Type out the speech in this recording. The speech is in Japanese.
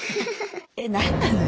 え何なのよ。